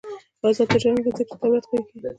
آزاد تجارت مهم دی ځکه چې دولت قوي کوي.